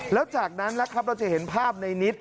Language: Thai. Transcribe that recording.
แล้วจากนั้นนะครับเราจะเห็นภาพในนิด